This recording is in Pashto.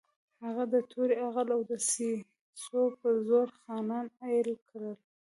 هغه د تورې، عقل او دسیسو په زور خانان اېل کړل.